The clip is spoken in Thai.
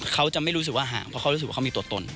เขาจะไม่รู้สึกว่าห่างเพราะเขารู้สึกว่าเขามีตัวตน